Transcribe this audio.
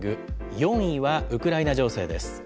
４位はウクライナ情勢です。